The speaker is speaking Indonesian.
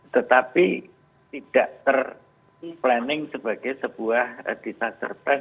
tetapi tidak ter planning sebagai sebuah disaster press